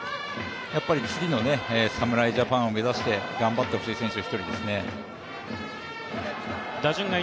次の侍ジャパンを目指して頑張ってほしい選手の１人ですね。